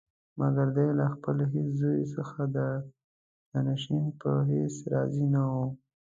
مګر دی له خپل هېڅ زوی څخه د جانشین په حیث راضي نه وو.